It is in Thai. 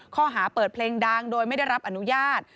ข้อหาเปิดเพลงดังโดยไม่ได้รับอนุญาต